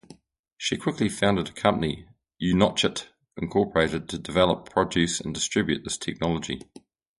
She quickly founded a company, Unotchit Incorporated to develop, produce and distribute this technology.